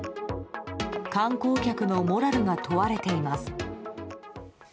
観光客のモラルが問われています。